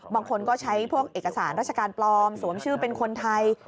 บางคนก็ใช้พวกเอกสารราชการปลอมสวมชื่อเป็นคนไทย